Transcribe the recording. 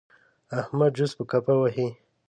احمد چوس په کفه وهي.